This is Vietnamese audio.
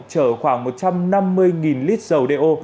chở khoảng một trăm năm mươi lít dầu đeo